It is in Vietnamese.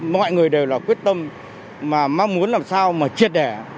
mọi người đều là quyết tâm mà mong muốn làm sao mà triệt đẻ